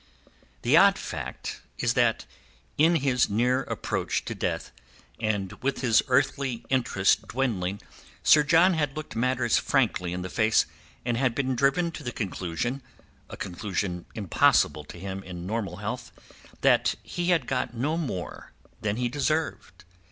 The odd fact is that in his near approach to death, and with his earthly interest dwindling, Sir John had looked matters frankly in the face, and had been driven to the conclusion—a conclusion impossible to him in normal health—that he had got no more than he deserved.